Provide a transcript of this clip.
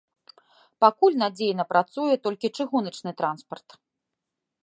Пакуль надзейна працуе толькі чыгуначны транспарт.